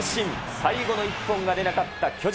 最後の一本が出なかった巨人。